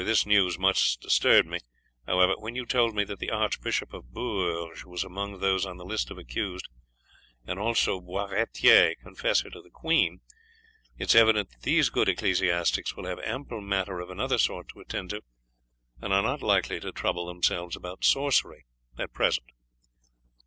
This news much disturbed me; however, when you told me that the Archbishop of Bourges was among those on the list of accused, and also Boisratier, confessor to the queen, it is evident that these good ecclesiastics will have ample matter of another sort to attend to, and are not likely to trouble themselves about sorcery at present."